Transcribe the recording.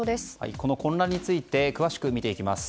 この混乱について詳しく見ていきます。